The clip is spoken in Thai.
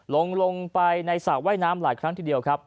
ลงไปในสระว่ายน้ำหลายครั้งทีเดียวครับ